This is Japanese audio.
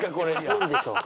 もういいでしょう。